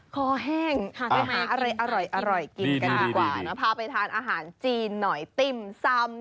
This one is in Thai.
ค้าแห้งไม่หาอะไรอร่อยกินกันกว่านะฮะบี่ห้าแล้วพาไปทานอาหารจีนน่อยติมซัม